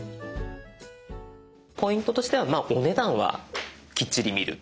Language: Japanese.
ポイントとしてはお値段はきっちり見る。